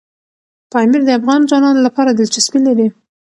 پامیر د افغان ځوانانو لپاره دلچسپي لري.